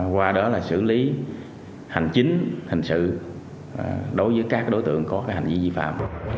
qua đó là xử lý hành chính hành sự đối với các đối tượng có hành vi dị phạm